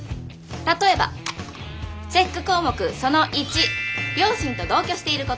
例えばチェック項目その①両親と同居している事。